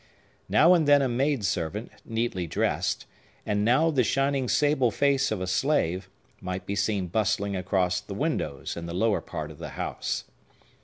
Now and then a maid servant, neatly dressed, and now the shining sable face of a slave, might be seen bustling across the windows, in the lower part of the house.